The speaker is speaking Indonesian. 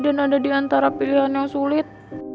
dan ada diantara pilihan yang sulit